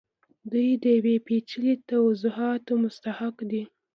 دوی د یو پیچلي توضیحاتو مستحق دي